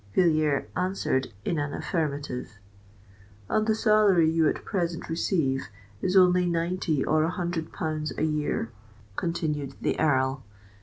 Villiers answered in an affirmative. "And the salary you at present receive is only ninety or a hundred pounds a year?" continued the Earl.